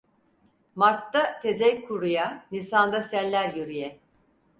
Martta tezek kuruya, nisanda seller yürüye.